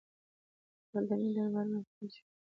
سلطنتي دربارونه فلج شول